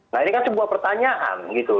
nah ini kan sebuah pertanyaan gitu